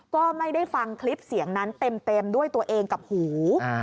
ก็ไม่ได้ฟังคลิปเสียงนั้นเต็มด้วยตัวเองกับหู